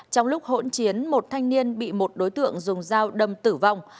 trong lúc hỗn chiến một thanh niên bị một đối tượng dùng dao đâm tử vong